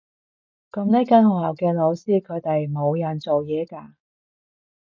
噉呢間學校嘅老師，佢哋冇人做嘢㗎？